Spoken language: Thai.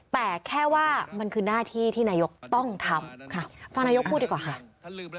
แต่แค่ว่ามันคือหน้าที่ที่นายกรัฐมนตรีต้องทำ